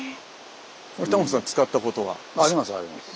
タモリさん使ったことは？ありますあります。